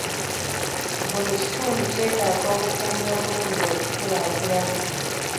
Buli kitundu kyetaaga obukuumi obulungi okukulaakulana.